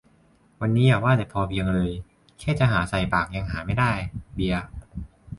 วันนี้อย่าว่าแต่พอเพียงเลย แค่จะหาใส่ปากยังหาไม่ได้ เบียร์